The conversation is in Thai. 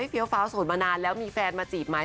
เฟี้ยฟ้าโสดมานานแล้วมีแฟนมาจีบไหม